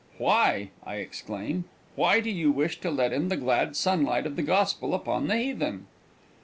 "Why," I exclaimed, "why do you wish to let in the glad sunlight of the gospel upon the heathen?"